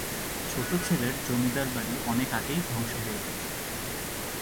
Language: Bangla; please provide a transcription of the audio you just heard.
ছোট ছেলের জমিদার বাড়ি অনেক আগেই ধ্বংস হয়ে গেছে।